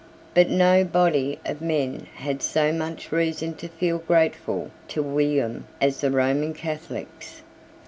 But no body of men had so much reason to feel grateful to William as the Roman Catholics.